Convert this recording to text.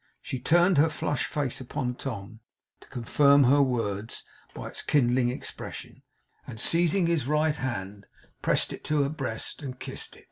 She turned her flushed face upon Tom to confirm her words by its kindling expression; and seizing his right hand, pressed it to her breast, and kissed it.